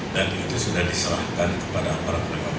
dan itu sudah diserahkan kepada para penerima hukum